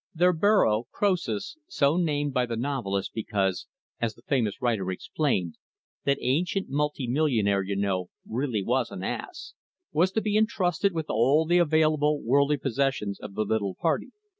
The burro, Croesus so named by the novelist because, as the famous writer explained, "that ancient multi millionaire, you know, really was an ass" was to be entrusted with all the available worldly possessions of the little party.